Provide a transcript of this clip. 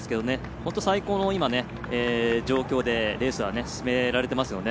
本当に最高の状況でレースは進められていますよね。